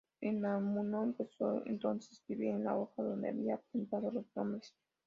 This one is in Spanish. Unamuno empezó entonces a escribir en la hoja donde había apuntado los nombres.